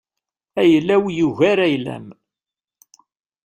Ayla-w yugar ayla-m.